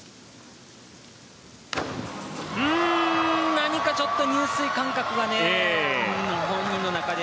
何かちょっと入水感覚が本人の中で。